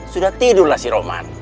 sudah tidurlah si roman